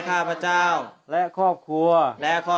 ข้าพเจ้านางสาวสุภัณฑ์หลาโภ